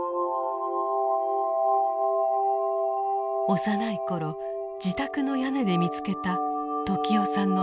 幼い頃自宅の屋根で見つけた時雄さんの名前です。